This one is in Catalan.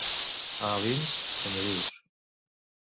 A Alins, senyorius.